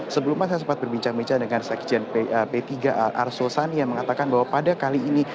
sebelumnya saya sempat berbincang bincang dengan sekjen p tiga arsul sani yang mengatakan bahwa pada kali ini